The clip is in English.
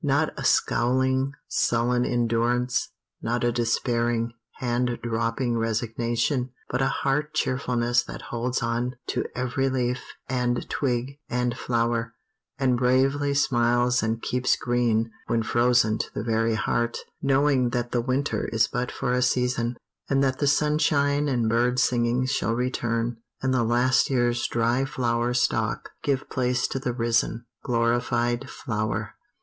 Not a scowling, sullen endurance, not a despairing, hand dropping resignation, but a heart cheerfulness that holds on to every leaf, and twig, and flower, and bravely smiles and keeps green when frozen to the very heart, knowing that the winter is but for a season, and that the sunshine and bird singings shall return, and the last year's dry flower stalk give place to the risen, glorified flower.